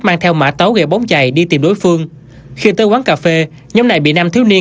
mang theo mã tấu gây bóng chày đi tìm đối phương khi tới quán cà phê nhóm này bị nam thiếu niên